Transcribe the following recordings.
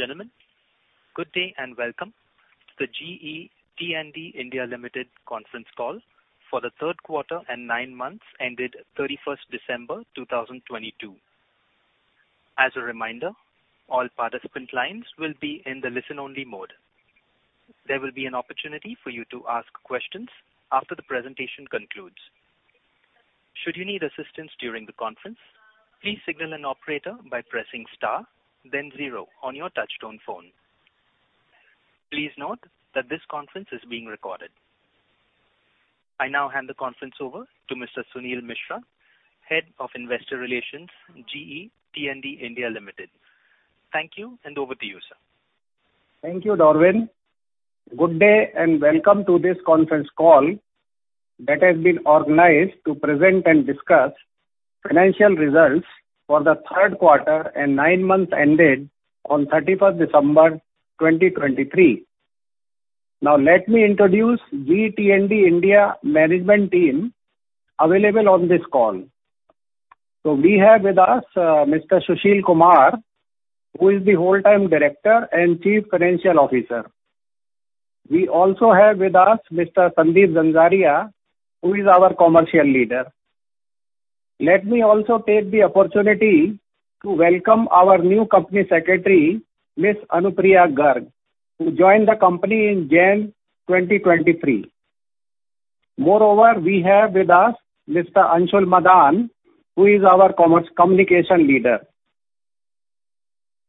Ladies and gentlemen, good day and welcome to the GE T&D India Limited conference call for the third quarter and nine months ended 31st December 2022. As a reminder, all participant lines will be in the listen-only mode. There will be an opportunity for you to ask questions after the presentation concludes. Should you need assistance during the conference, please signal an operator by pressing star then zero on your touchtone phone. Please note that this conference is being recorded. I now hand the conference over to Mr. Suneel Mishra, Head of Investor Relations, GE T&D India Limited. Thank you, and over to you, sir. Thank you, Darwin. Good day, and welcome to this conference call that has been organized to present and discuss financial results for the third quarter and nine months ended on 31st December 2023. Let me introduce GE T&D India management team available on this call. We have with us Mr. Sushil Kumar, who is the Whole-Time Director and Chief Financial Officer. We also have with us Mr. Sandeep Zanzaria, who is our Commercial Leader. Let me also take the opportunity to welcome our new Company Secretary, Miss Anupriya Garg, who joined the company in January 2023. We have with us Mr. Anshul Madaan, who is our communication leader.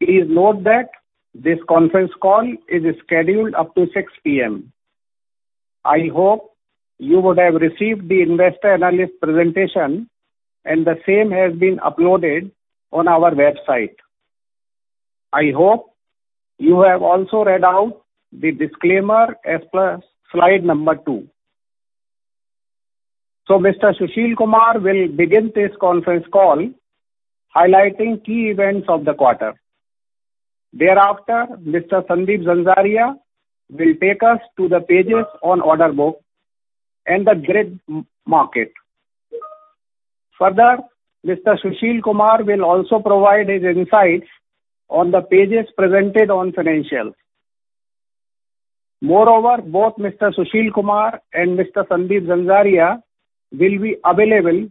Please note that this conference call is scheduled up to 6:00 P.M. I hope you would have received the investor analyst presentation, and the same has been uploaded on our website. I hope you have also read out the disclaimer as per slide number two. Mr. Sushil Kumar will begin this conference call highlighting key events of the quarter. Thereafter, Mr. Sandeep Zanzaria will take us to the pages on order book and the grid market. Further, Mr. Sushil Kumar will also provide his insights on the pages presented on financials. Moreover, both Mr. Sushil Kumar and Mr. Sandeep Zanzaria will be available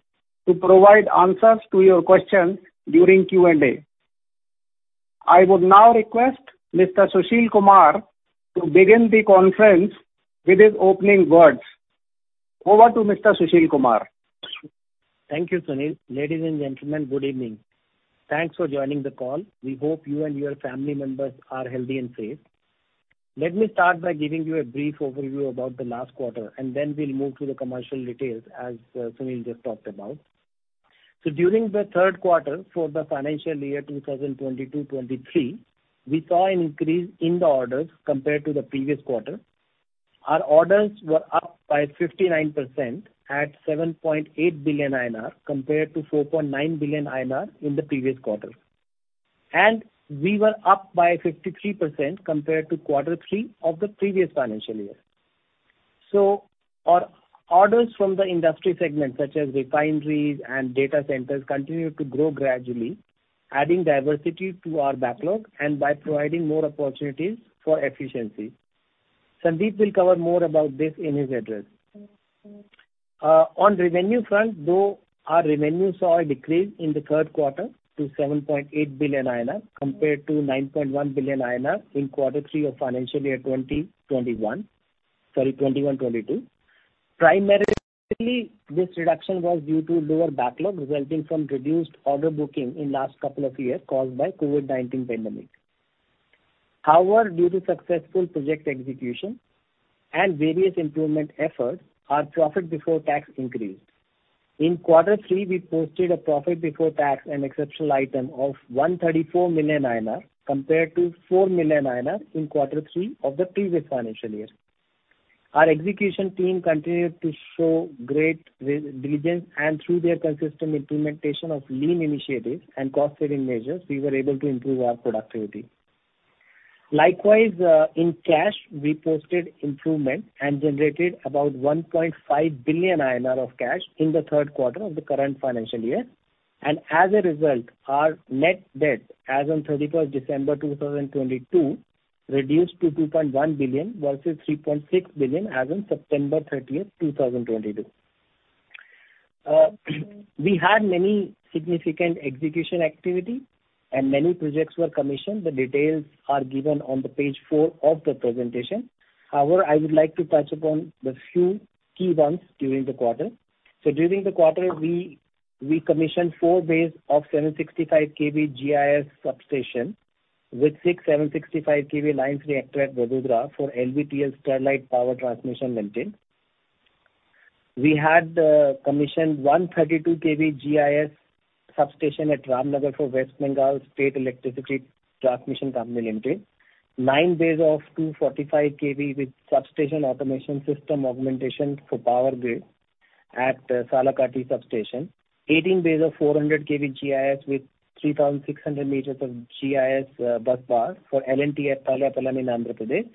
to provide answers to your questions during Q&A. I would now request Mr. Sushil Kumar to begin the conference with his opening words. Over to Mr. Sushil Kumar. Thank you, Suneel. Ladies and gentlemen, good evening. Thanks for joining the call. We hope you and your family members are healthy and safe. Let me start by giving you a brief overview about the last quarter. Then we'll move to the commercial details, as Suneel just talked about. During the third quarter for the financial year 2022/2023, we saw an increase in the orders compared to the previous quarter. Our orders were up by 59% at 7.8 billion INR compared to 4.9 billion INR in the previous quarter. We were up by 53% compared to quarter three of the previous financial year. Our orders from the industry segment, such as refineries and data centers, continued to grow gradually, adding diversity to our backlog and by providing more opportunities for efficiency. Sandeep will cover more about this in his address. On revenue front, though, our revenue saw a decrease in the third quarter to 7.8 billion INR compared to 9.1 billion INR in quarter three of financial year 2021, sorry, 2021/2022. Primarily, this reduction was due to lower backlog resulting from reduced order booking in last couple of years caused by COVID-19 pandemic. However, due to successful project execution and various improvement efforts, our profit before tax increased. In quarter three, we posted a profit before tax and exceptional item of 134 million INR compared to 4 million INR in quarter three of the previous financial year. Our execution team continued to show great re-diligence, and through their consistent implementation of lean initiatives and cost saving measures, we were able to improve our productivity. Likewise, in cash, we posted improvement and generated about 1.5 billion INR of cash in the third quarter of the current financial year. As a result, our net debt as on December 31st, 2022, reduced to 2.1 billion versus 3.6 billion as on September 30, 2022. We had many significant execution activity and many projects were commissioned. The details are given on page four of the presentation. I would like to touch upon the few key ones during the quarter. During the quarter we commissioned four bays of 765 kV GIS substation with six 765 kV lines reactor at Vadodara for LVTL Sterlite Power Transmission Limited. We had commissioned 1 32 kV GIS substation at Ramnagar for West Bengal State Electricity Transmission Company Limited. Nine bays of 245 kV with substation automation system augmentation for Power Grid at Salakati substation. 18 bays of 400 kV GIS with 3,600 meters of GIS busbar for L&T at Talapalle in Andhra Pradesh.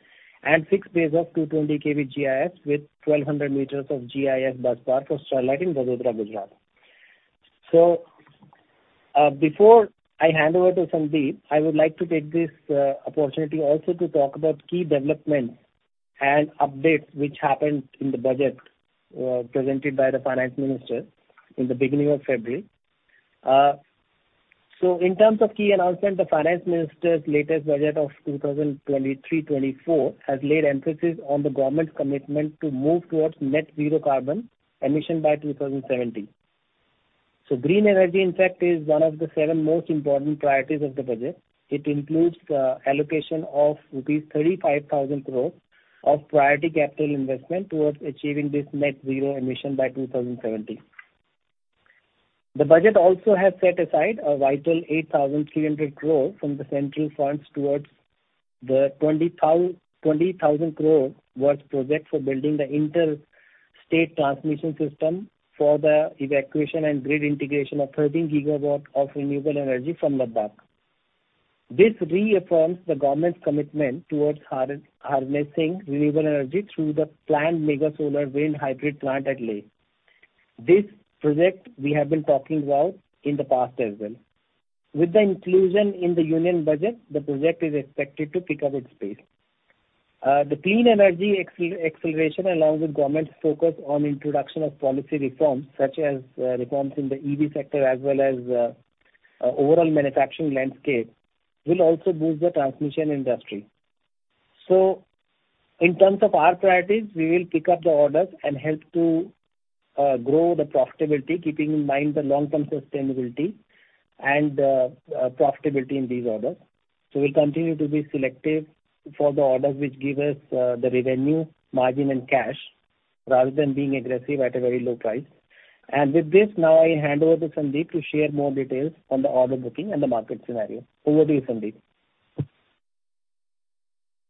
Six bays of 220 kV GIS with 1,200 meters of GIS busbar for Sterlite in Vadodara, Gujarat. Before I hand over to Sandeep, I would like to take this opportunity also to talk about key developments and updates which happened in the budget presented by the Finance Minister in the beginning of February. In terms of key announcements, the Finance Minister's latest budget of 2023/2024 has laid emphasis on the government's commitment to move towards net zero carbon emission by 2070. Green energy, in fact, is one of the seven most important priorities of the budget. It includes allocation of rupees 35,000 crores of priority capital investment towards achieving this net zero by 2070. The budget also has set aside a vital 8,300 crore from the central funds towards the 20,000 crore worth project for building the inter-state transmission system for the evacuation and grid integration of 13 GW of renewable energy from Ladakh. This reaffirms the government's commitment towards harnessing renewable energy through the planned mega solar wind hybrid plant at Leh. This project we have been talking about in the past as well. With the inclusion in the Union Budget, the project is expected to pick up its pace. The clean energy acceleration, along with government's focus on introduction of policy reforms, such as reforms in the EV sector, as well as overall manufacturing landscape, will also boost the transmission industry. In terms of our priorities, we will pick up the orders and help to grow the profitability, keeping in mind the long-term sustainability and profitability in these orders. We'll continue to be selective for the orders which give us the revenue, margin and cash, rather than being aggressive at a very low price. With this, now I hand over to Sandeep to share more details on the order booking and the market scenario. Over to you, Sandeep.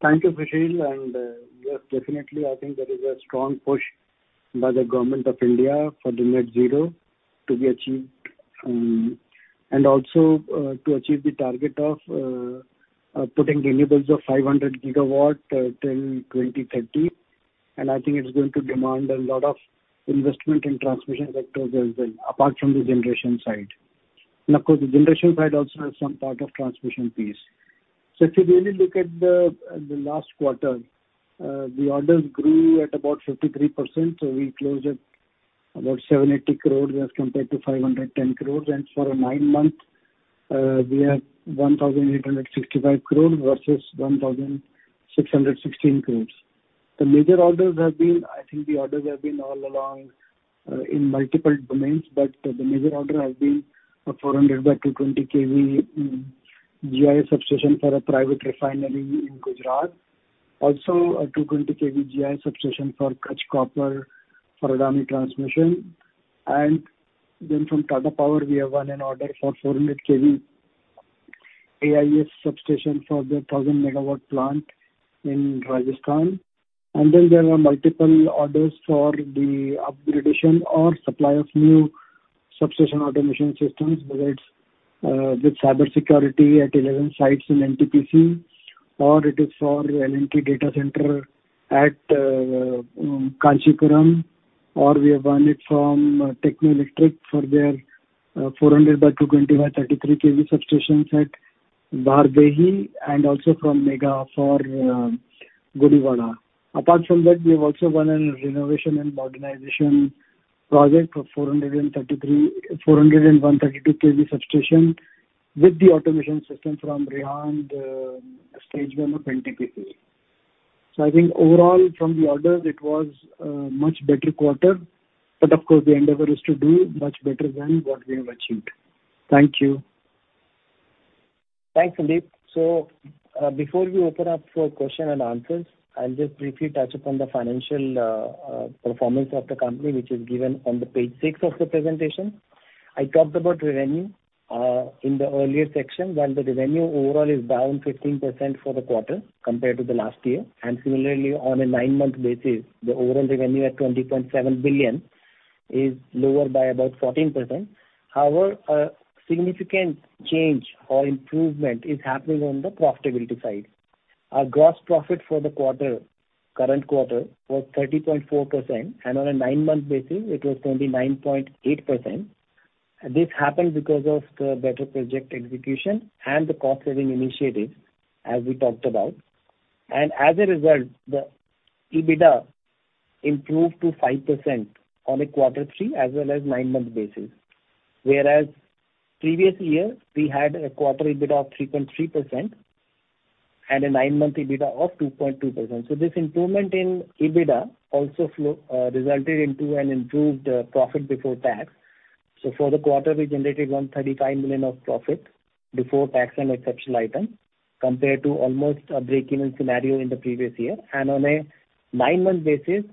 Thank you, Sushil. Yes, definitely. I think there is a strong push by the Government of India for the net zero to be achieved, and also to achieve the target of putting renewables of 500 GW till 2030. I think it's going to demand a lot of investment in transmission sector as well, apart from the generation side. Of course, the generation side also has some part of transmission piece. If you really look at the last quarter, the orders grew at about 53%. We closed at about 780 crores as compared to 510 crores. For a nine month, we have 1,865 crores versus 1,616 crores. The major orders have been I think the orders have been all along in multiple domains, but the major order has been a 400 by 220 kV GIS substation for a private refinery in Gujarat. Also a 220 kV GIS substation for Kutch Copper, for Adani Transmission. From Tata Power, we have won an order for 400 kV AIS substation for their 1,000 megawatt plant in Rajasthan. There were multiple orders for the upgradation or supply of new substation automation systems, whether it's with cybersecurity at 11 sites in NTPC, or it is for L&T data center at Kanchipuram, or we have won it from Techno Electric for their 400 by 220 by 33 kV substations at Bardahi, and also from Megha for Gudivada. We have also won a renovation and modernization project for 400/132 kV substation with the automation system from Rihand, the stage one of NTPC. I think overall from the orders it was a much better quarter, but of course the endeavor is to do much better than what we have achieved. Thank you. Thanks, Sandeep. Before we open up for question and answers, I'll just briefly touch upon the financial performance of the company, which is given on the page six of the presentation. I talked about revenue in the earlier section. While the revenue overall is down 15% for the quarter compared to the last year, and similarly on a nine month basis, the overall revenue at 20.7 billion is lower by about 14%. However, a significant change or improvement is happening on the profitability side. Our gross profit for the quarter, current quarter, was 30.4%, and on a nine month basis it was 29.8%. This happened because of better project execution and the cost-saving initiatives, as we talked about. As a result, the EBITDA improved to 5% on a Q3 as well as nine-month basis. Whereas previous year, we had a quarter EBITDA of 3.3% and a nine-month EBITDA of 2.2%. This improvement in EBITDA also resulted into an improved profit before tax. For the quarter, we generated 135 million of profit before tax and exceptional items, compared to almost a break-even scenario in the previous year. On a nine month basis,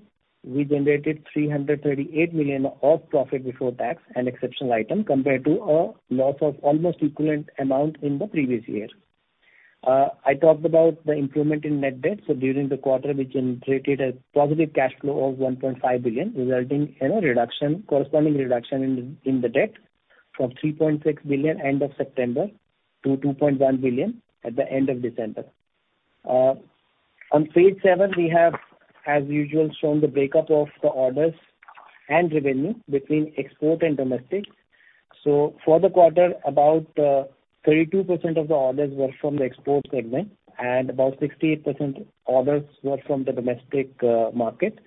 we generated 338 million of profit before tax and exceptional items, compared to a loss of almost equivalent amount in the previous year. I talked about the improvement in net debt. During the quarter we generated a positive cash flow of 1.5 billion, resulting in a corresponding reduction in the debt from 3.6 billion end of September to 2.1 billion at the end of December. On page seven we have as usual shown the breakup of the orders and revenue between export and domestic. For the quarter, about 32% of the orders were from the export segment and about 68% orders were from the domestic market.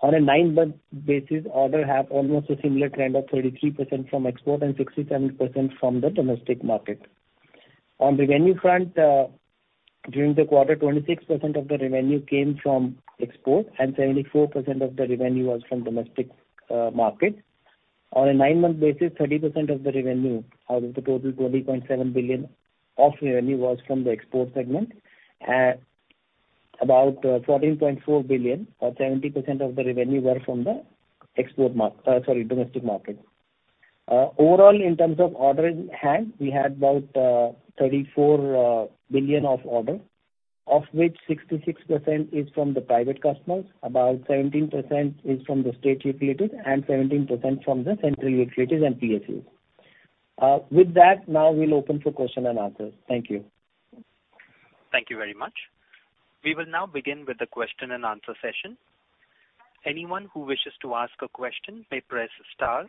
On a nine month basis, order have almost a similar trend of 33% from export and 67% from the domestic market. On revenue front, during the quarter, 26% of the revenue came from export and 74% of the revenue was from domestic market. On a nine month basis, 30% of the revenue out of the total 20.7 billion of revenue was from the export segment. About 14.4 billion or 70% of the revenue were from the domestic market. Overall in terms of orders hand, we had about 34 billion of order, of which 66% is from the private customers, about 17% is from the state utilities and 17% from the central utilities and PSUs. With that, now we'll open for question and answer. Thank you. Thank you very much. We will now begin with the question and answer session. Anyone who wishes to ask a question may press star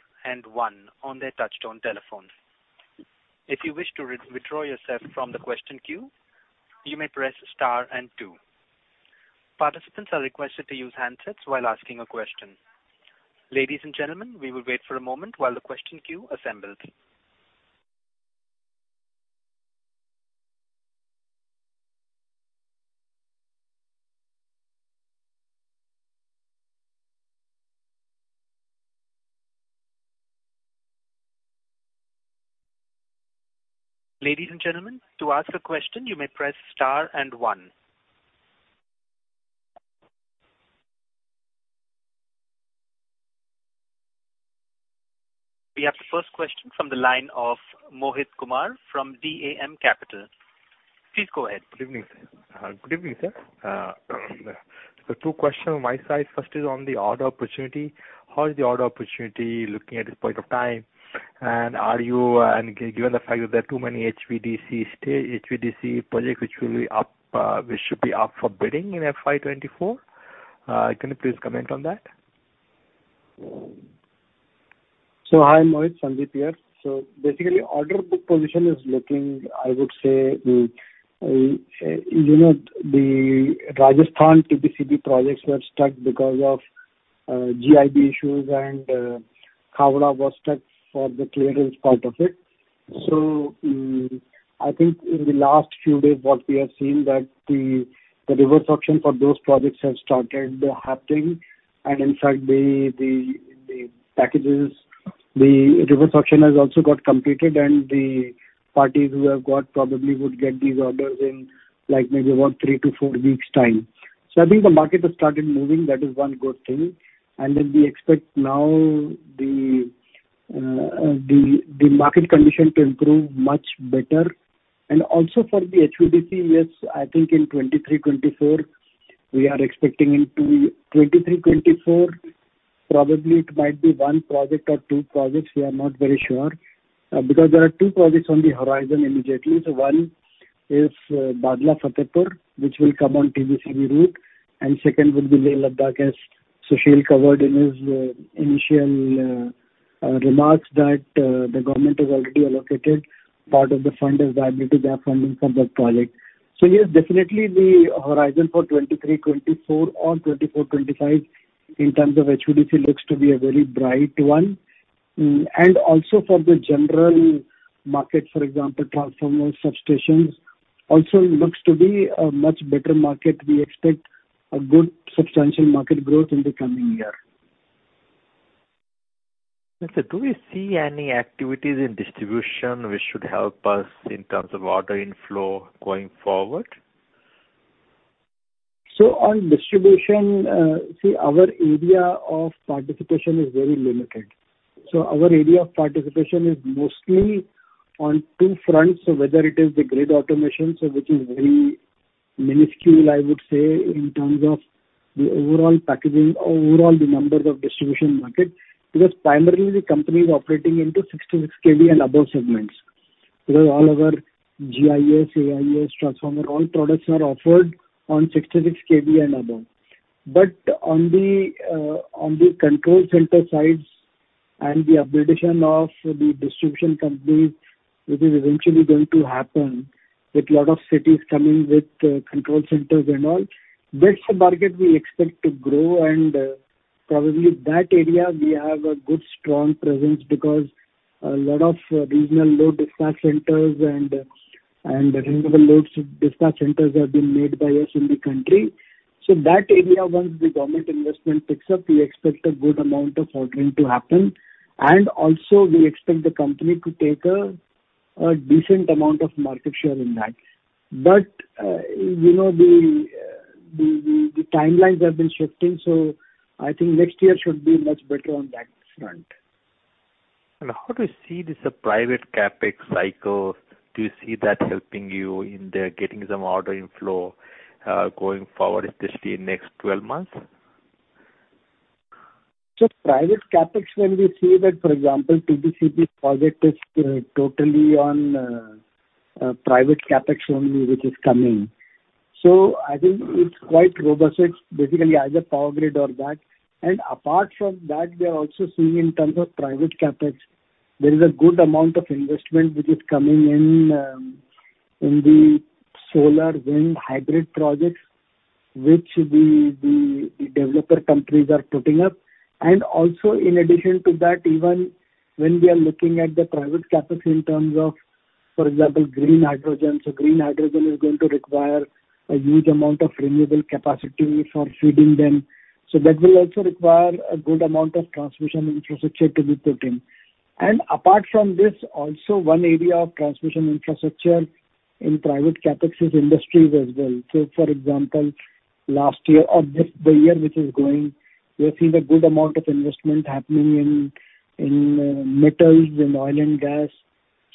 one on their touchtone telephones. If you wish to re-withdraw yourself from the question queue, you may press star two. Participants are requested to use handsets while asking a question. Ladies and gentlemen, we will wait for a moment while the question queue assembles. Ladies and gentlemen, to ask a question you may press star one. We have the first question from the line of Mohit Kumar from DAM Capital. Please go ahead. Good evening. Good evening, sir. Two questions on my side. First is on the order opportunity. How is the order opportunity looking at this point of time, and are you, given the fact that there are too many HVDC projects which will be up, which should be up for bidding in FY 2024, can you please comment on that? Hi, Mohit. Sandeep here. Basically order book position is looking, I would say, you know, the Rajasthan TBCB projects were stuck because of GIB issues and Khavda was stuck for the clearance part of it. I think in the last few days what we have seen that the reverse auction for those projects have started happening. In fact, the packages, the reverse auction has also got completed and the parties who have got probably would get these orders in like maybe about three to four weeks' time. I think the market has started moving. That is one good thing. We expect now the market condition to improve much better. Also for the HVDC, yes, I think in 2023, 2024, we are expecting into 2023, 2024, probably it might be one project or two projects. We are not very sure because there are two projects on the horizon immediately. One is Bhadla-Fatehpur, which will come on TBCB route, and second would be Leh-Ladakh as Sushil covered in his initial remarks that the government has already allocated part of the fund as viability gap funding for that project. Yes, definitely the horizon for 2023/2024 or 2024/2025 in terms of HVDC looks to be a very bright one. Also for the general market, for example, transformers, substations also looks to be a much better market. We expect a good substantial market growth in the coming year. Mr. Do we see any activities in distribution which should help us in terms of order inflow going forward? On distribution, see our area of participation is very limited. Our area of participation is mostly on two fronts, whether it is the grid automation, which is very minuscule, I would say, in terms of the overall packaging or overall the numbers of distribution market. Primarily the company is operating into 66 kV and above segments, because all of our GIS, AIS, transformer, all products are offered on 66 kV and above. On the control center sides and the upgradation of the distribution companies, which is eventually going to happen with lot of cities coming with control centers and all, that's the market we expect to grow and probably that area we have a good strong presence because a lot of regional load dispatch centers and renewable loads dispatch centers have been made by us in the country. That area, once the government investment picks up, we expect a good amount of ordering to happen. Also we expect the company to take a decent amount of market share in that. You know, the timelines have been shifting, so I think next year should be much better on that front. How do you see this, private CapEx cycle? Do you see that helping you in the getting some order inflow, going forward, especially in next 12 months? Private CapEx, when we see that, for example, TBCB project is totally on private CapEx only which is coming. I think it's quite robust. It's basically either Power Grid or that. Apart from that, we are also seeing in terms of private CapEx, there is a good amount of investment which is coming in in the solar wind hybrid projects which the developer companies are putting up. In addition to that, even when we are looking at the private CapEx in terms of, for example, green hydrogen, green hydrogen is going to require a huge amount of renewable capacity for feeding them. That will also require a good amount of transmission infrastructure to be put in. Apart from this, also one area of transmission infrastructure in private CapEx is industries as well. For example, last year or this, the year which is going, we are seeing a good amount of investment happening in metals and oil and gas.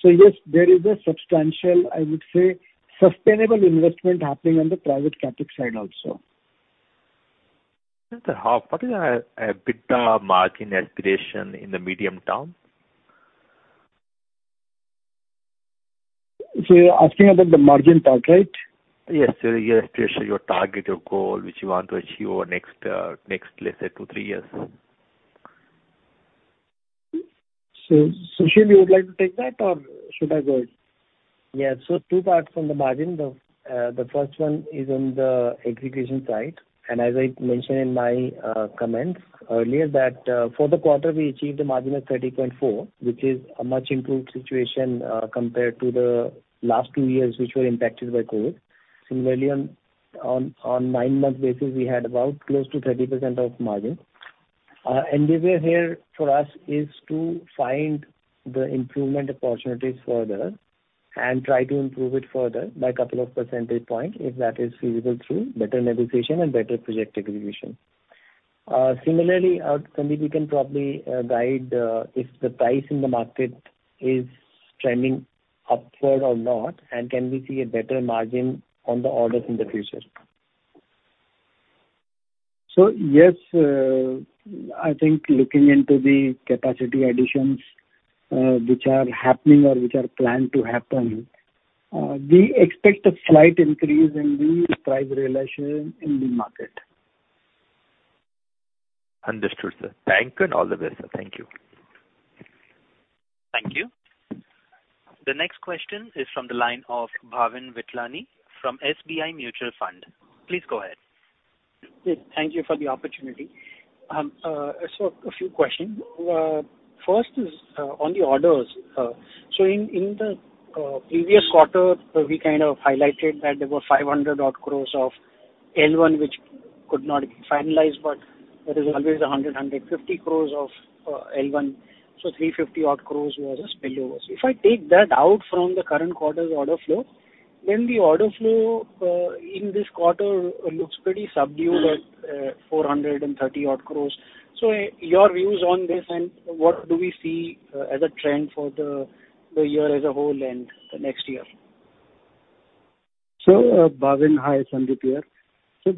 Yes, there is a substantial, I would say, sustainable investment happening on the private CapEx side also. What is EBITDA margin aspiration in the medium term? You're asking about the margin target? Yes. Your aspiration, your target, your goal, which you want to achieve over next, let's say two, three years. Sushil, you would like to take that or should I go ahead? Yeah. Two parts on the margin. The first one is on the execution side, and as I mentioned in my comments earlier that for the quarter we achieved a margin of 30.4%, which is a much improved situation compared to the last two years, which were impacted by COVID. Similarly, on nine-month basis, we had about close to 30% of margin. The view here for us is to find the improvement opportunities further and try to improve it further by a couple of percentage point, if that is feasible through better negotiation and better project execution. Similarly, Sandeep, you can probably guide if the price in the market is trending upward or not, and can we see a better margin on the orders in the future? Yes, I think looking into the capacity additions, which are happening or which are planned to happen, we expect a slight increase in the price realization in the market. Understood, sir. Thank you. All the best, sir. Thank you. Thank you. The next question is from the line of Bhavin Vithlani from SBI Mutual Fund. Please go ahead. Yes, thank you for the opportunity. A few questions. First is on the orders. In the previous quarter, we kind of highlighted that there were 500 odd crores of L1 which could not be finalized, but there is always 100-150 crores of L1. 350 odd crores was a spillover. If I take that out from the current quarter's order flow, then the order flow in this quarter looks pretty subdued at 430 odd crores. Your views on this and what do we see as a trend for the year as a whole and the next year? Bhavin, hi, Sandeep here.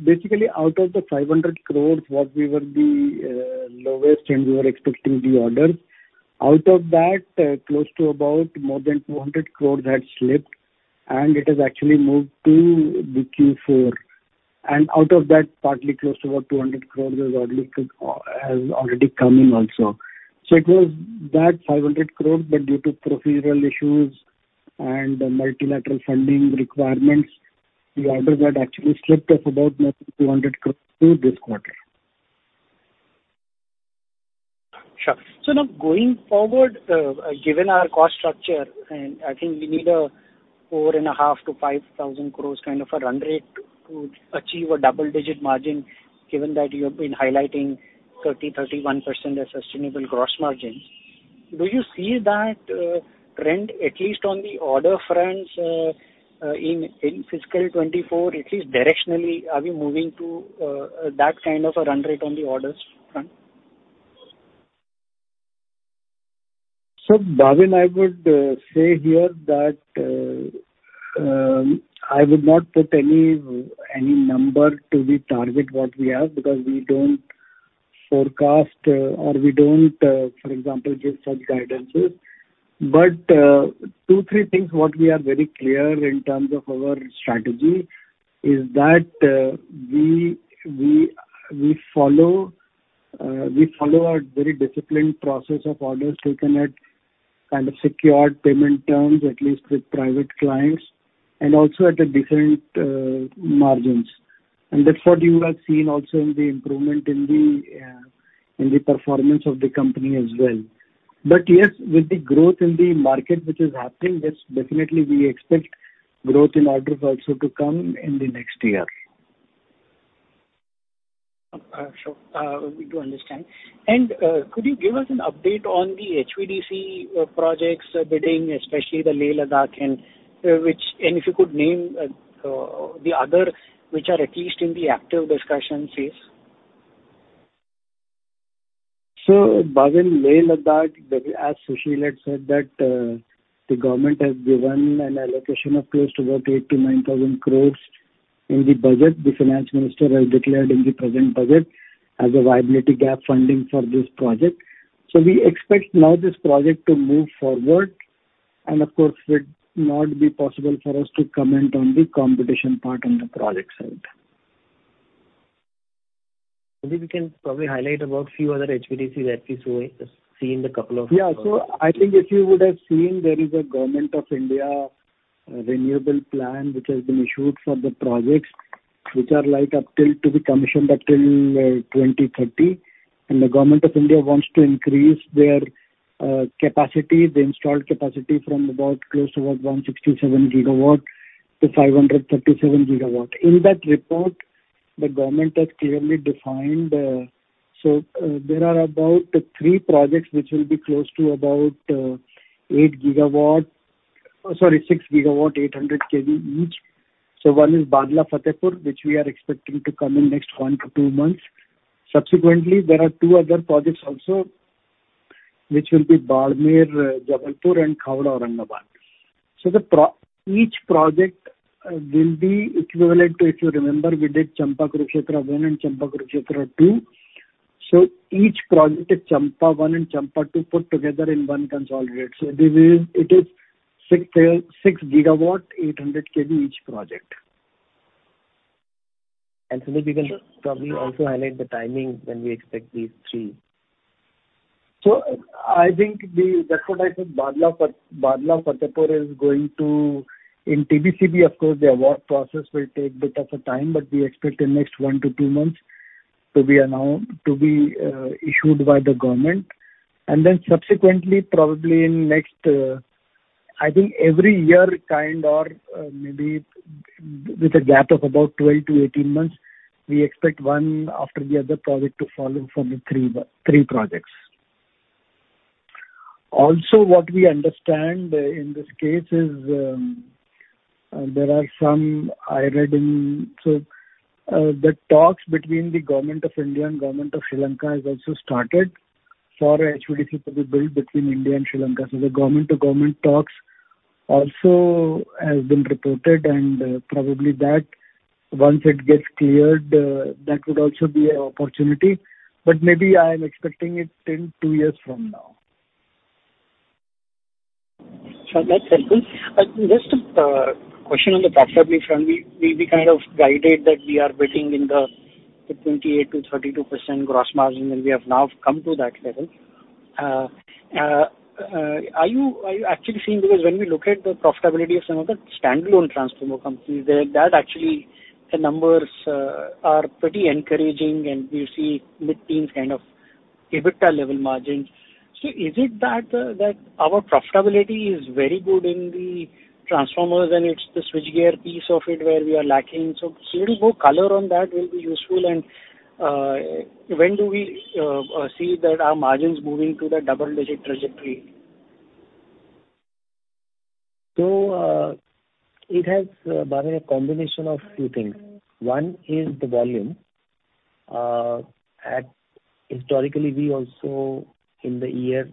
Basically out of the 500 crores what we were the lowest and we were expecting the orders, out of that, close to about more than 200 crores had slipped and it has actually moved to the Q4. Out of that, partly close to about 200 crores has already come in also. It was that 500 crores, but due to procedural issues and multilateral funding requirements, the orders had actually slipped of about more than 200 crores to this quarter. Sure. Now going forward, given our cost structure and I think we need a four and a half thousand crores to 5,000 crores kind of a run rate to achieve a double digit margin, given that you have been highlighting 30%-31% as sustainable gross margin. Do you see that trend, at least on the order fronts, in fiscal 2024, at least directionally, are we moving to that kind of a run rate on the orders front? Bhavin, I would say here that I would not put any number to the target what we have because we don't forecast or we don't for example, give such guidances. Two, three things what we are very clear in terms of our strategy is that we follow a very disciplined process of orders taken at kind of secured payment terms, at least with private clients, and also at a different margins. That's what you have seen also in the improvement in the performance of the company as well. Yes, with the growth in the market which is happening, yes, definitely we expect growth in orders also to come in the next year. Sure. We do understand. Could you give us an update on the HVDC projects bidding, especially the Leh-Ladakh and if you could name the other which are at least in the active discussions phase? Bhavin, Leh-Ladakh, as Sushil had said that, the government has given an allocation of close to about 8,000 crores-9,000 crores. In the budget, the finance minister has declared in the present budget as a viability gap funding for this project. We expect now this project to move forward and of course it would not be possible for us to comment on the competition part on the project side. Maybe we can probably highlight about few other HVDC that we saw just seeing. Yeah. I think if you would have seen there is a government of India renewable plan which has been issued for the projects which are like up till to be commissioned up till 2030. The government of India wants to increase their capacity, the installed capacity from about close to about 167 GW to 537 GW. In that report, the government has clearly defined. There are about three projects which will be close to about 8 GW. Sorry, 6 GW, 800 kV each. One is Bhadla-Fatehpur, which we are expecting to come in next one to two months. Subsequently, there are two other projects also, which will be Balmer-Jabalpur and Khavda-Aurangabad. The project will be equivalent to, if you remember, we did Champa-Kurukshetra 1 and Champa-Kurukshetra 2. Each project is Champa 1 and Champa 2 put together in one consolidated. This is 6 GW, 800 kV each project. Suneel, we can probably also highlight the timing when we expect these three. That's what I said. Bhadla-Fatehpur is going to in TBCB of course the award process will take bit of a time, but we expect in next one to two months to be announced, to be issued by the government. Subsequently, probably in next, I think every year kind or, maybe with a gap of about 12 to 18 months, we expect one after the other project to follow from the three projects. What we understand, in this case is, there are some I read in. The talks between the government of India and government of Sri Lanka has also started for HVDC to be built between India and Sri Lanka. The government to government talks also has been reported and, probably that once it gets cleared, that would also be an opportunity, but maybe I am expecting it in two years from now. Sure. That's helpful. Just a question on the profitability front. We've been kind of guided that we are betting in the 28%-32% gross margin, and we have now come to that level. Are you actually seeing, Because when we look at the profitability of some of the standalone transformer companies there, that actually the numbers are pretty encouraging and we see mid-teen kind of EBITDA level margins. Is it that our profitability is very good in the transformers and it's the switchgear piece of it where we are lacking? A little more color on that will be useful. When do we see that our margins moving to the double-digit trajectory? It has, Bharath, a combination of few things. One is the volume. At historically we also in the year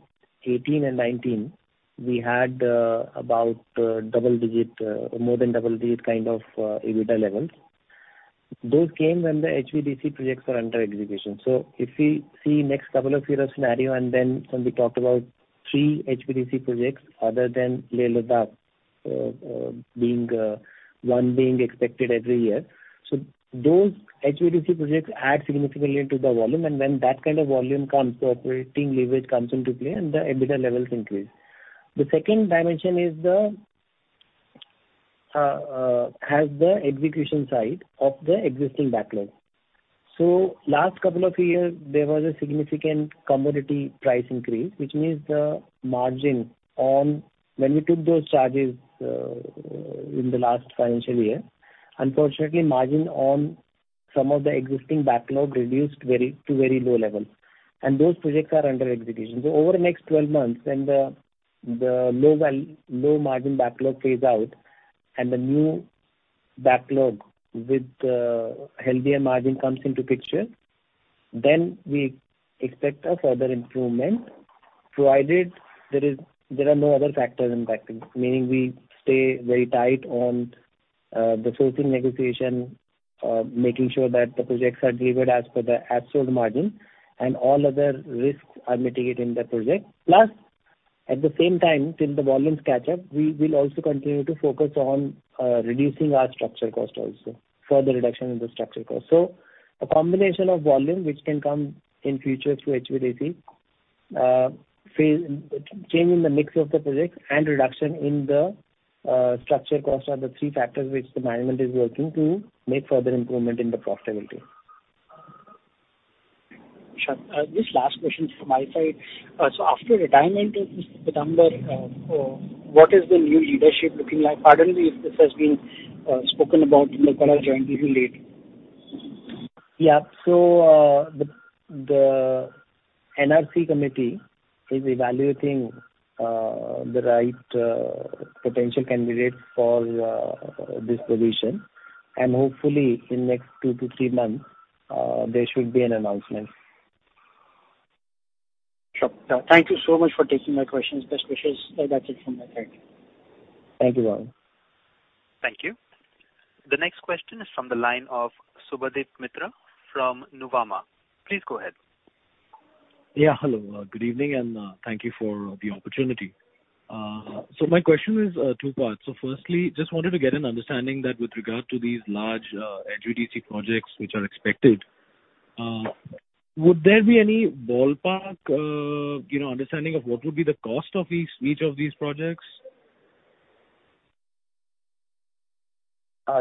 18 and 19, we had about double-digit, more than double-digit kind of EBITDA levels. Those came when the HVDC projects were under execution. If we see next couple of years scenario, and then when we talked about three HVDC projects other than Leh-Ladakh, being one being expected every year. Those HVDC projects add significantly to the volume. When that kind of volume comes, operating leverage comes into play and the EBITDA levels increase. The second dimension is the has the execution side of the existing backlog. Last couple of years there was a significant commodity price increase, which means the margin on when we took those charges in the last financial year, unfortunately margin on some of the existing backlog reduced very, to very low levels, and those projects are under execution. Over the next 12 months when the low margin backlog phase out and the new backlog with the healthier margin comes into picture, then we expect a further improvement, provided there is, there are no other factors impacting. Meaning we stay very tight on the sourcing negotiation, making sure that the projects are delivered as per the as sold margin and all other risks are mitigated in the project. At the same time, since the volumes catch up, we will also continue to focus on reducing our structural cost also. Further reduction in the structural cost. A combination of volume which can come in future through HVDC, change in the mix of the projects and reduction in the structure costs are the three factors which the management is working to make further improvement in the profitability. Sure. This last question from my side. After retirement of Mr. Pitambar, what is the new leadership looking like? Pardon me if this has been spoken about in the call. I joined a little late. The NRC committee is evaluating the right potential candidates for this position, and hopefully in next two to three months, there should be an announcement. Sure. Thank you so much for taking my questions. Best wishes. That's it from my side. Thank you, [inaudiblle]. Thank you. The next question is from the line of Subhadip Mitra from Nuvama. Please go ahead. Hello. Good evening, and thank you for the opportunity. My question is two parts. Firstly, just wanted to get an understanding that with regard to these large HVDC projects which are expected, would there be any ballpark, you know, understanding of what would be the cost of these, each of these projects?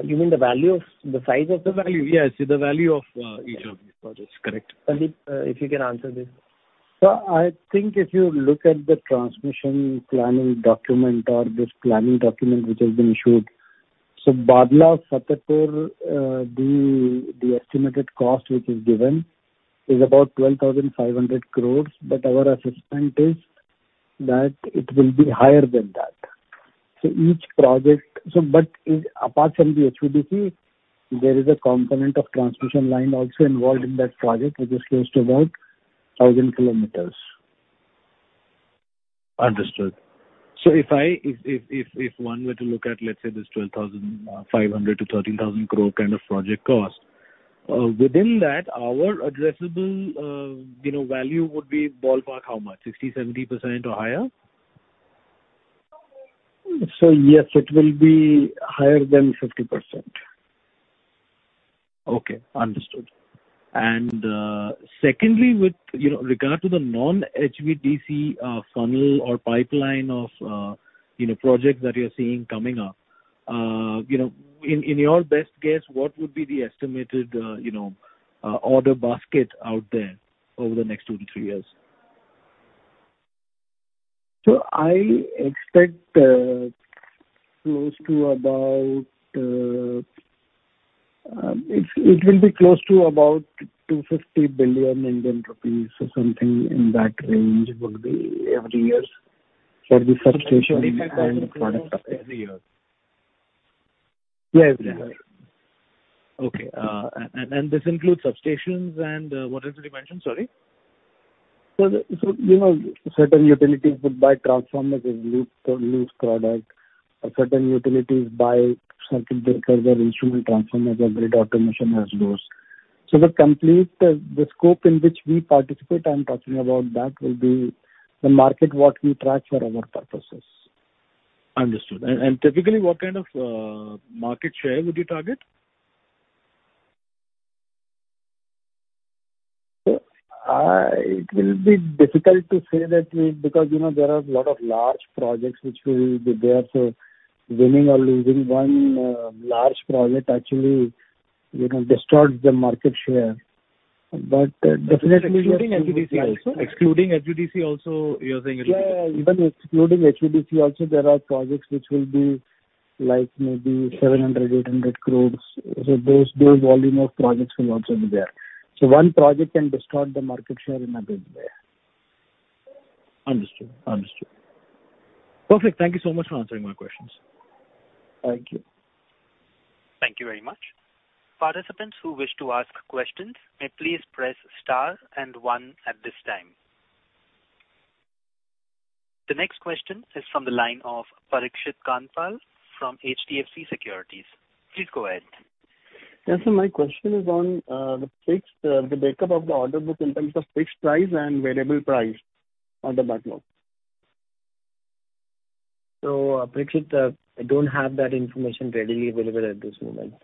You mean the size of the The value. Yes. The value of each of these projects. Correct. Sandeep, if you can answer this. I think if you look at the transmission planning document or this planning document which has been issued. Bhadla-Fatehpur, the estimated cost, which is given is about 12,500 crores, but our assessment is that it will be higher than that. But apart from the HVDC, there is a component of transmission line also involved in that project, which is close to about 1,000 kilometers. Understood. If one were to look at, let's say, this 12,500 crore-13,000 crore kind of project cost, within that our addressable, you know, value would be ballpark, how much? 60%-70% or higher? Yes, it will be higher than 50%. Okay, understood. Secondly, with, you know, regard to the non-HVDC funnel or pipeline of, you know, projects that you're seeing coming up, you know, in your best guess, what would be the estimated, you know, order basket out there over the next two to three years? I expect, close to about, it will be close to about 250 billion Indian rupees or something in that range would be every year for the substation. Every year. Yeah, every year. Okay. This includes substations and what else did you mention? Sorry. The, you know, certain utilities would buy transformers as loose product or certain utilities buy circuit breakers or instrument transformers or grid automation as those. The complete, the scope in which we participate, I'm talking about that will be the market, what we track for our purposes. Understood. Typically what kind of market share would you target? It will be difficult to say that we, Because, you know, there are a lot of large projects which will be there, so winning or losing one large project actually, you know, distorts the market share. definitely Excluding HVDC also. Excluding HVDC also, you're saying? Yeah, even excluding HVDC also there are projects which will be like maybe 700 crores- 800 crores. Those volume of projects will also be there. One project can distort the market share in a big way. Understood. Understood. Perfect. Thank you so much for answering my questions. Thank you. Thank you very much. Participants who wish to ask questions may please press star and one at this time. The next question is from the line of Parikshit Kandpal from HDFC Securities. Please go ahead. Yes, sir. My question is on the breakup of the order book in terms of fixed price and variable price on the backlog. Parikshit, I don't have that information readily available at this moment.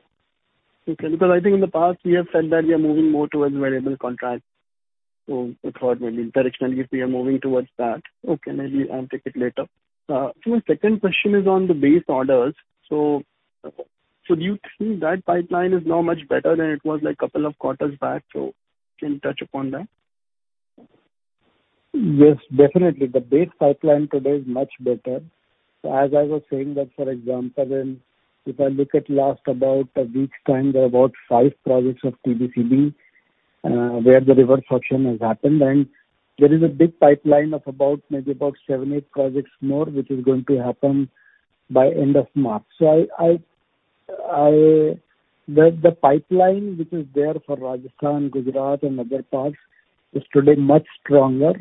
Because I think in the past you have said that you are moving more towards variable contracts. I thought maybe directionally if we are moving towards that. Maybe I'll take it later. My second question is on the base orders. Do you think that pipeline is now much better than it was like couple of quarters back? Can you touch upon that? Definitely. The base pipeline today is much better. As I was saying that, for example, If I look at last about a week's time, there are about five projects of TBCB where the reverse auction has happened and there is a big pipeline of about maybe about seven, eight projects more, which is going to happen by end of March. The pipeline which is there for Rajasthan, Gujarat and other parts is today much stronger.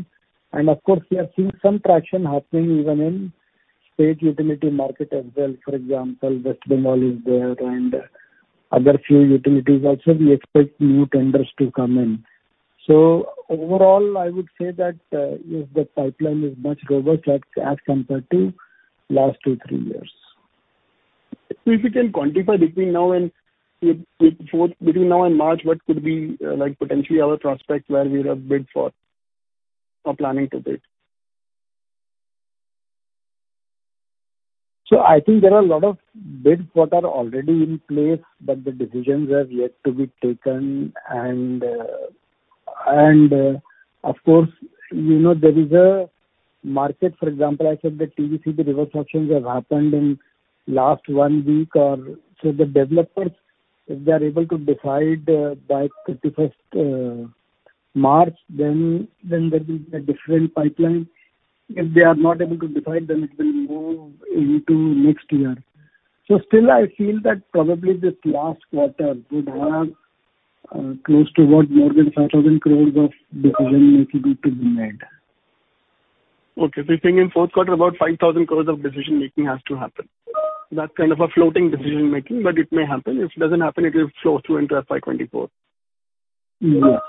Of course, we are seeing some traction happening even in state utility market as well. For example, West Bengal is there and other few utilities also we expect new tenders to come in. Overall I would say that, yes, the pipeline is much robust at, as compared to last two, three years. If you can quantify between now and March, what could be, like potentially our prospects where we have bid for or planning to bid? I think there are a lot of bids what are already in place, but the decisions are yet to be taken. Of course, you know, there is a market, for example, I said the TBCB reverse auctions have happened in last one week or. The developers, if they are able to decide by 31st March, then there'll be a different pipeline. If they are not able to decide, then it will move into next year. Still I feel that probably this last quarter could have close to what more than 5,000 crores of decision making need to be made. Okay. You're saying in fourth quarter, about 5,000 crores of decision making has to happen. That's kind of a floating decision making, but it may happen. If it doesn't happen, it will flow through into FY 2024. Yes.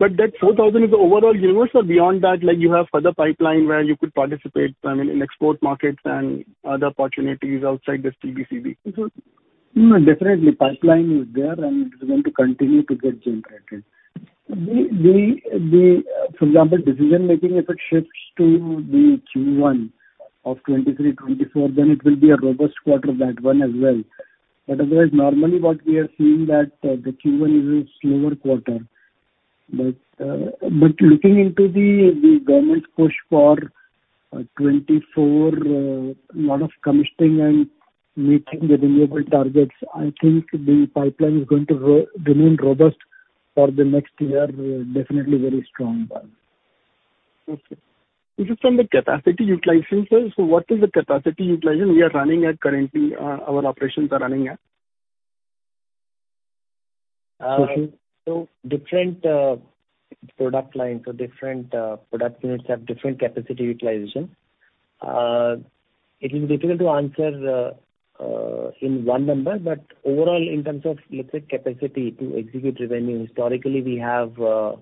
That 4,000 crores is the overall universe or beyond that, like, you have further pipeline where you could participate, I mean, in export markets and other opportunities outside just TBCB? No, definitely pipeline is there and it is going to continue to get generated. The, for example, decision making, if it shifts to the Q1 of 2023, 2024, then it will be a robust quarter, that one as well. Otherwise, normally what we are seeing that the Q1 is a slower quarter. Looking into the government push for 2024, a lot of commissioning and meeting the renewable targets, I think the pipeline is going to remain robust for the next year. Definitely very strong one. Okay. This is from the capacity utilization, sir. What is the capacity utilization we are running at currently, our operations are running at? Different product lines or different product units have different capacity utilization. It is difficult to answer in one number, but overall, in terms of, let's say, capacity to execute revenue, historically we have been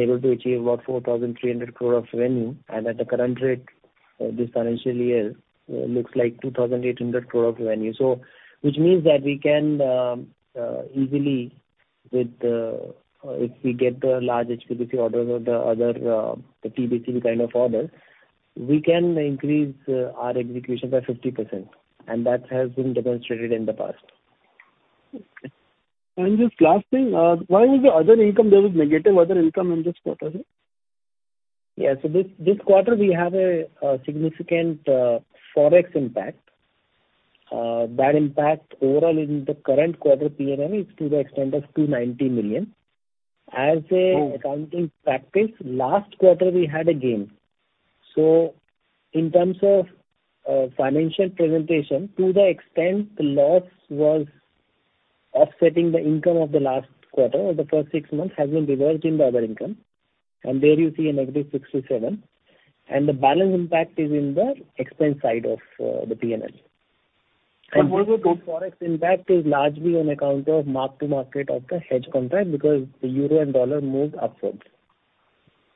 able to achieve about 4,300 crore of revenue. At the current rate, this financial year looks like 2,800 crore of revenue. Which means that we can easily with if we get the large HVDC orders or the other the TBCB kind of orders, we can increase our execution by 50%. That has been demonstrated in the past. Okay. Just last thing, why was there negative other income in this quarter, sir? Yeah. This quarter we have a significant Forex impact. That impact overall in the current quarter PNL is to the extent of $290 million. As a accounting practice, last quarter we had a gain. In terms of financial presentation, to the extent the loss was offsetting the income of the last quarter or the first six months has been reversed in the other income. There you see a negative $67 million. The balance impact is in the expense side of the PNL. What was? Forex impact is largely on account of mark to market of the hedge contract because the Euro and dollar moved upwards.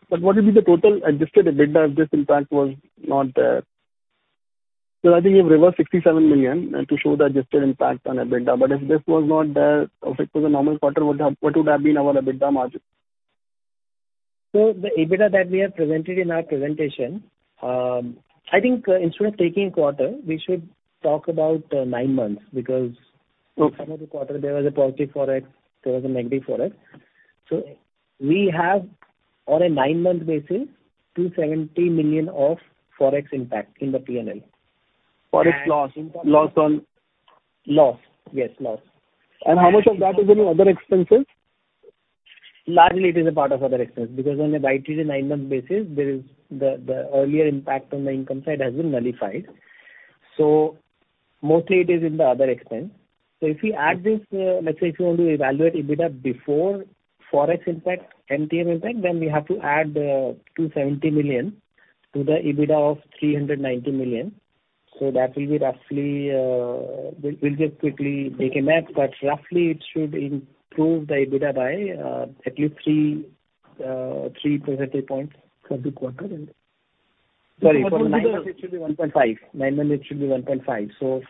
What will be the total adjusted EBITDA if this impact was not there? I think you've reversed 67 million and to show the adjusted impact on EBITDA. If this was not there, or if it was a normal quarter, what would have been our EBITDA margin? The EBITDA that we have presented in our presentation, I think instead of taking quarter, we should talk about nine months because. Okay. Some of the quarter there was a positive Forex, there was a negative Forex. We have on a nine month basis, 270 million of Forex impact in the PNL. Forex loss. Loss on Loss. Yes, loss. How much of that is in other expenses? Largely it is a part of other expense because on a YTT nine month basis, there is the earlier impact on the income side has been nullified. Mostly it is in the other expense. If you add this, let's say if you want to evaluate EBITDA before Forex impact and TM impact, then we have to add 270 million to the EBITDA of 390 million. That will be roughly, we'll just quickly make a math, but roughly it should improve the EBITDA by at least 3 percentage points for the quarter and. Sorry, for nine months it should be 1.5. Nine months it should be 1.5.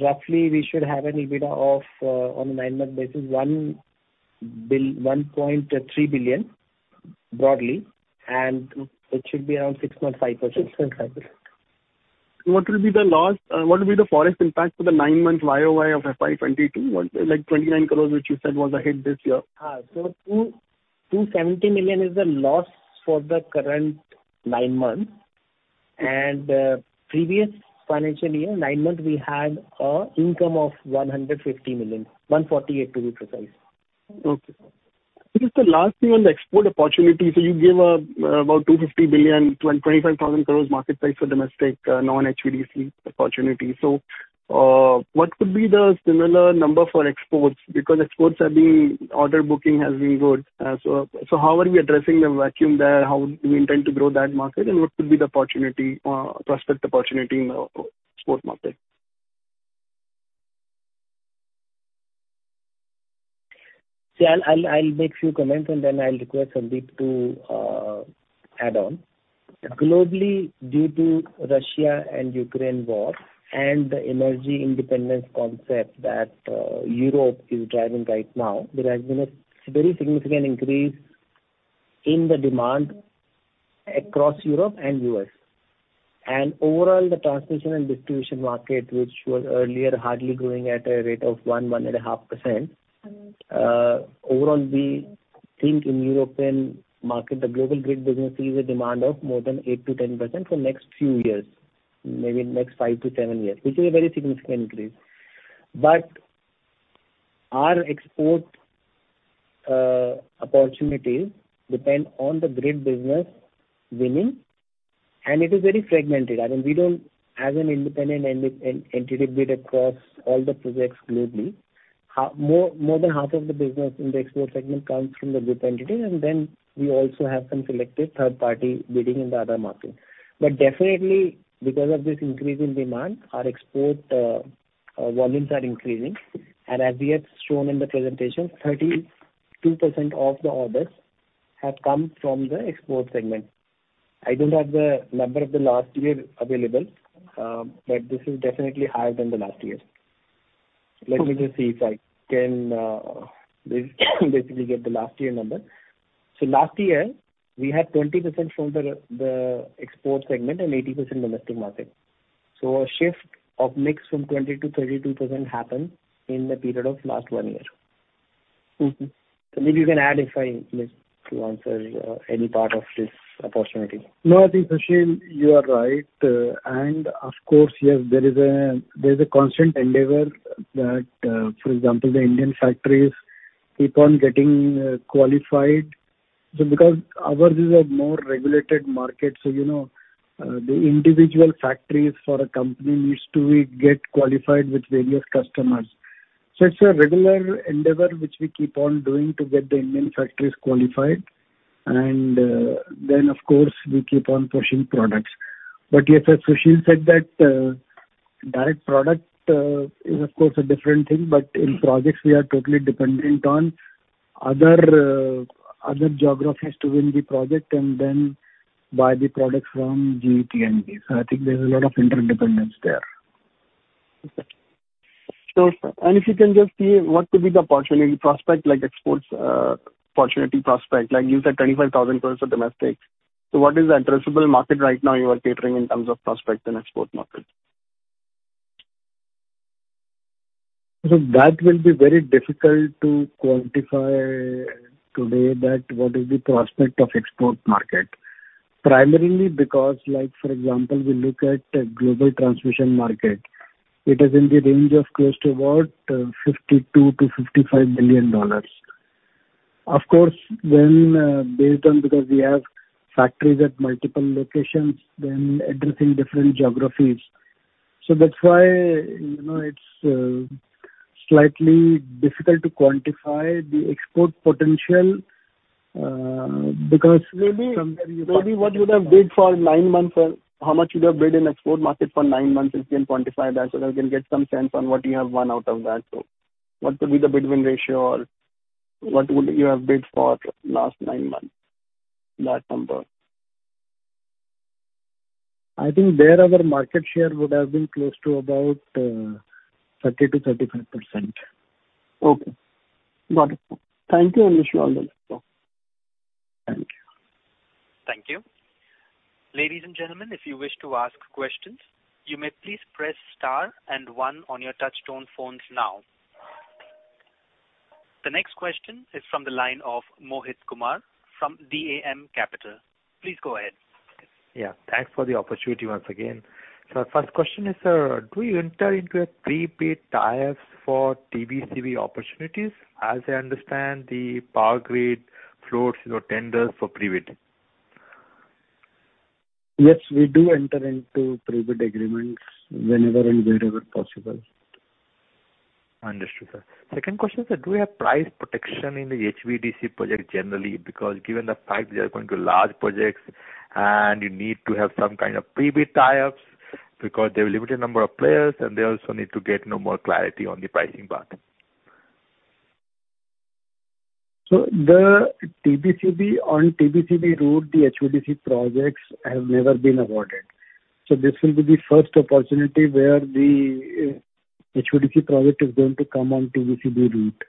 Roughly we should have an EBITDA of, on a nine month basis, 1.3 billion broadly, and it should be around 6.5%. 6.5. What will be the loss. What will be the Forex impact for the nine month YOY of FY 2022? What, like 29 crores, which you said was a hit this year. 270 million is the loss for the current nine months. Previous financial year, nine months, we had income of 150 million. 148 to be precise. Okay. This is the last thing on the export opportunity. You gave about 250 billion, 25,000 crores market price for domestic non-HVDC opportunity. What could be the similar number for exports? Because order booking has been good. How are we addressing the vacuum there? How do we intend to grow that market? What could be the opportunity, prospect opportunity in the export market? See, I'll make few comments and then I'll request Sandeep to add on. Globally, due to Russia and Ukraine war and the energy independence concept that Europe is driving right now, there has been a very significant increase in the demand across Europe and U.S. Overall the transmission and distribution market, which was earlier hardly growing at a rate of 1.5%, overall we think in European market, the global grid business sees a demand of more than 8%-10% for next few years, maybe next five to seven years, which is a very significant increase. Our export opportunities depend on the grid business winning, and it is very fragmented. I mean, we don't as an independent entity bid across all the projects globally. More than half of the business in the export segment comes from the group entity, then we also have some selected third-party bidding in the other market. Definitely, because of this increase in demand, our export volumes are increasing. As we have shown in the presentation, 32% of the orders have come from the export segment. I don't have the number of the last year available, this is definitely higher than the last year. Okay. Let me just see if I can basically get the last year number. Last year we had 20% from the export segment and 80% domestic market. A shift of mix from 20% to 32% happened in the period of last one year. Mm-hmm. Maybe you can add if I missed to answer any part of this opportunity. No, I think, Sushil, you are right. Of course, yes, there is a constant endeavor that, for example, the Indian factories keep on getting qualified. Because ours is a more regulated market, so you know, the individual factories for a company needs to get qualified with various customers. It's a regular endeavor which we keep on doing to get the Indian factories qualified. Then, of course, we keep on pushing products. Yes, as Sushil said that, direct product, is of course a different thing. In projects we are totally dependent on other geographies to win the project and then buy the product from GE T&D. I think there's a lot of interdependence there. Okay. And if you can just say what could be the opportunity prospect like exports, opportunity prospect, like you said, 25,000 crores of domestic? What is the addressable market right now you are catering in terms of prospects in export market? That will be very difficult to quantify today that what is the prospect of export market. Primarily because, like for example, we look at global transmission market, it is in the range of close to about $52 billion-$55 billion. Of course, when based on because we have factories at multiple locations, then addressing different geographies. That's why, you know, it's slightly difficult to quantify the export potential. Maybe, maybe what you have bid for nine months or how much you have bid in export market for nine months, if you can quantify that so that we can get some sense on what you have won out of that. What could be the bid-win ratio or what would you have bid for last nine months, that number. I think there our market share would have been close to about 30% to 35%. Okay. Got it. Thank you. I wish you all the best. Thank you. Thank you. Ladies and gentlemen, if you wish to ask questions, you may please press star and one on your touchtone phones now. The next question is from the line of Mohit Kumar from DAM Capital. Please go ahead. Yeah, thanks for the opportunity once again. First question is, sir, do you enter into a prepaid tie-ups for TBCB opportunities? As I understand, the Power Grid floats your tenders for pre-bid. Yes, we do enter into pre-bid agreements whenever and wherever possible. Understood, sir. Second question, sir. Do you have price protection in the HVDC project generally? Given the fact they are going to large projects and you need to have some kind of pre-bid tie-ups because there are limited number of players and they also need to get no more clarity on the pricing part. The TBCB, on TBCB route, the HVDC projects have never been awarded. This will be the first opportunity where the HVDC project is going to come on TBCB route.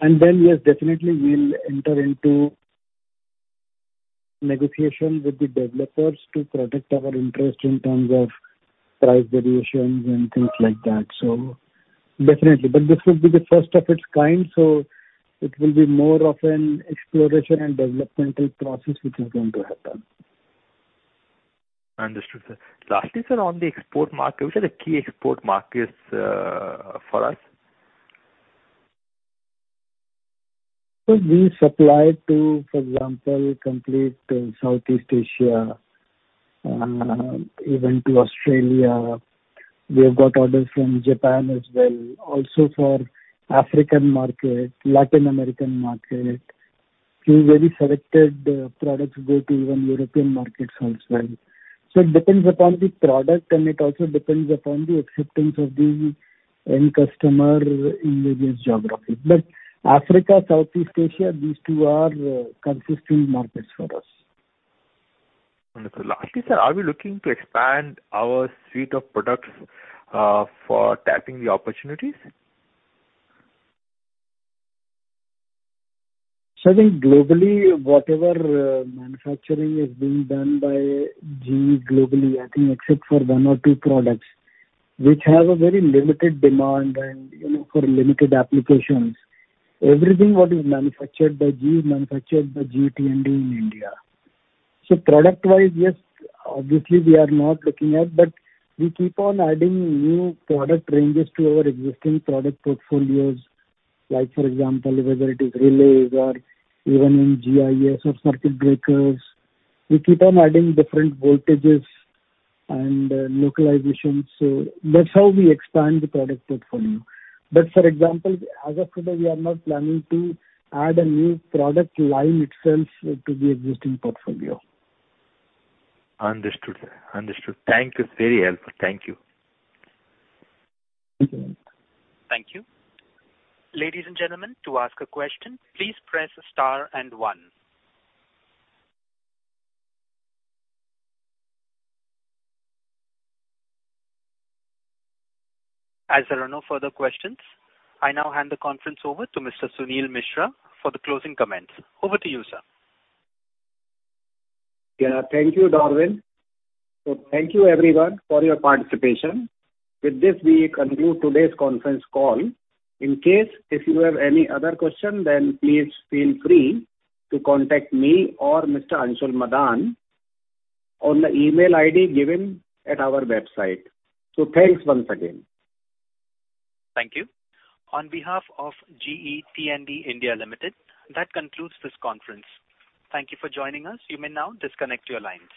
Yes, definitely we'll enter into negotiation with the developers to protect our interest in terms of price variations and things like that. Definitely. This will be the first of its kind, so it will be more of an exploration and developmental process which is going to happen. Understood, sir. Lastly, sir, on the export market, which are the key export markets for us? We supply to, for example, complete Southeast Asia, even to Australia. We have got orders from Japan as well. For African market, Latin American market. Few very selected products go to even European markets also. It depends upon the product and it also depends upon the acceptance of the end customer in various geographies. Africa, Southeast Asia, these two are consistent markets for us. Understood. Lastly, sir, are we looking to expand our suite of products, for tapping the opportunities? I think globally, whatever manufacturing is being done by GE globally, I think except for one or two products which have a very limited demand and, you know, for limited applications. Everything what is manufactured by GE is manufactured by GE T&D in India. Product wise, yes, obviously we are not looking at, but we keep on adding new product ranges to our existing product portfolios. Like for example, whether it is relays or even in GIS or circuit breakers, we keep on adding different voltages and localization. That's how we expand the product portfolio. For example, as of today, we are not planning to add a new product line itself to the existing portfolio. Understood, sir. Understood. Thank you. It's very helpful. Thank you. Thank you. Thank you. Ladies and gentlemen, to ask a question, please press star and one. As there are no further questions, I now hand the conference over to Mr. Suneel Mishra for the closing comments. Over to you, sir. Yeah. Thank you, Darwin. Thank you everyone for your participation. With this, we conclude today's conference call. In case if you have any other question, please feel free to contact me or Mr. Anshul Madaan on the email ID given at our website. Thanks once again. Thank you. On behalf of GE T&D India Limited, that concludes this conference. Thank you for joining us. You may now disconnect your lines.